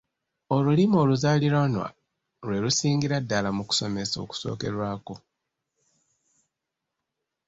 Olulimi oluzaaliranwa lwe lusingira ddala mu kusomesa okusookerwako.